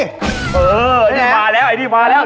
อ่อพวกนี้มาแล้วนี่มาแล้ว